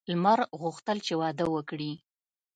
لمر غوښتل چې واده وکړي.